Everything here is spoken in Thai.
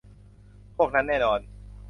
พวกนั้นแน่นอน